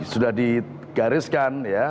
sudah digariskan ya